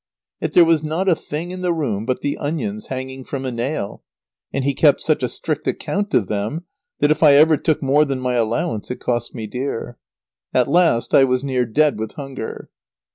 Yet there was not a thing in the room but the onions hanging from a nail, and he kept such a strict account of them, that if I ever took more than my allowance it cost me dear. At last I was near dead with hunger.